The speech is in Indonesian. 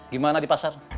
gimana di pasar